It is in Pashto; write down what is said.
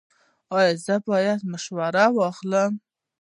ایا زه باید مشوره واخلم؟